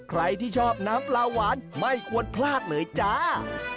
ใครที่ชอบน้ำปลาหวานไม่ควรพลาดเลยจ้า